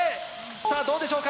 さあどうでしょうか？